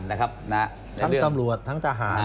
ทั้งกำลัวทั้งทหาร